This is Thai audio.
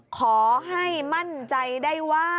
ขอให้มั่นใจได้ว่า